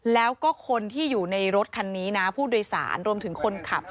แล้วก็คนที่อยู่ในรถคันนี้นะผู้โดยสารรวมถึงคนขับ